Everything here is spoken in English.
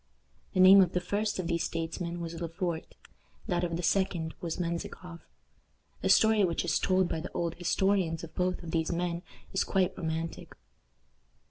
The name of the first of these statesmen was Le Fort; that of the second was Menzikoff. The story which is told by the old historians of both of these men is quite romantic.